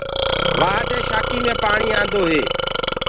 وآه دي شآکينٚ مي پآڻي آندو هي۔